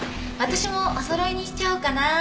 私もおそろいにしちゃおうかな。